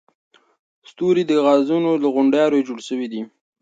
ستوري د ګازونو له غونډاریو جوړ شوي دي.